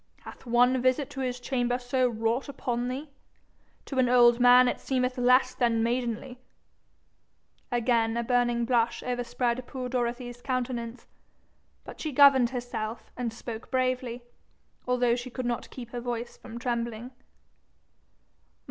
Hath one visit to his chamber so wrought upon thee? To an old man it seemeth less than maidenly.' Again a burning blush overspread poor Dorothy's countenance. But she governed herself, and spoke bravely, although she could not keep her voice from trembling.